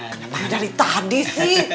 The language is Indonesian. kenapa dari tadi sih